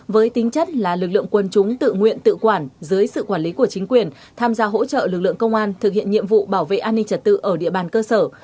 với tính chất là lực lượng quân chúng tự nguyện tự quản dưới sự quản lý của chính quyền tham gia hỗ trợ lực lượng công an thực hiện nhiệm vụ bảo vệ an ninh trật tự ở địa bàn cơ sở